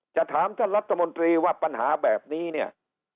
ถามท่านรัฐมนตรีว่าปัญหาแบบนี้เนี่ย